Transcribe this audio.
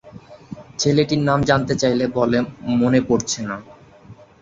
ছেলেটির নাম জানতে চাইলে বলে মনে পড়ছে না।